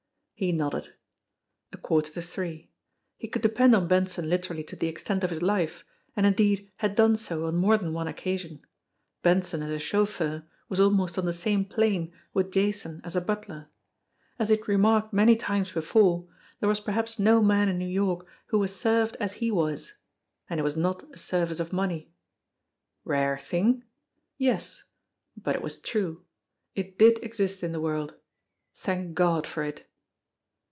He nodded. A quarter to three! He could depend on Benson literally to the extent of his life, and indeed had done so on more than one occasion; Benson as a chauffeur was almost on the same plane with Jason as a butler. As he had AT A QUARTER TO THREE 211 remarked many times before, there was perhaps no man in New York who was served as he was and it was not a service of money. Rare thing? Yes! But it was true. It did exist in the world. Thank God for it!